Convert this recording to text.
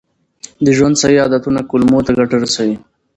د ژوند صحي عادتونه کولمو ته ګټه رسوي.